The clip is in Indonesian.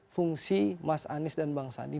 fungsi mas anies dan bang sandi